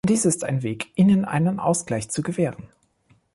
Dies ist ein Weg, ihnen einen Ausgleich zu gewähren.